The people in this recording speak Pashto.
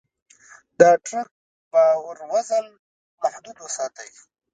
د ټرک بار وزن محدود وساتئ.